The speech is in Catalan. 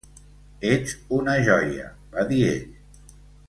"Ets una joia", va dir ell.